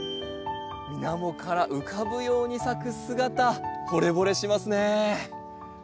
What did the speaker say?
みなもから浮かぶように咲く姿ほれぼれしますね。